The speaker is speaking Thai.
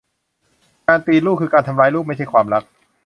การตีลูกคือการทำร้ายลูก ไม่ใช่ความรัก